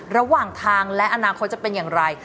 ระหว่างทางและอนาคตจะเป็นอย่างไร